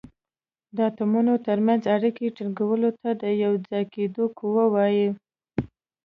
د اتومونو تر منځ اړیکې ټینګولو ته د یو ځای کیدو قوه وايي.